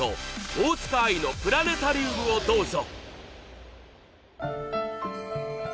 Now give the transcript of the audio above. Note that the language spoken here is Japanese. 大塚愛の『プラネタリウム』をどうぞ。